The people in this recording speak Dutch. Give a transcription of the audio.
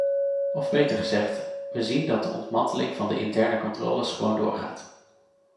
Of beter gezegd: we zien dat de ontmanteling van de interne controles gewoon doorgaat.